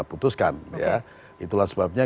putuskan itulah sebabnya